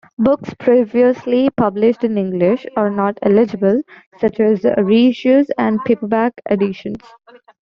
Books previously published in English are not eligible, such as re-issues and paperback editions.